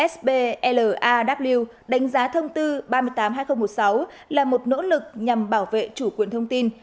splaw đánh giá thông tư ba trăm tám mươi hai nghìn một mươi sáu là một nỗ lực nhằm bảo vệ chủ quyền thông tin